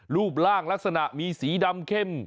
รูปร่างลักษณะมีสีดำเข้ม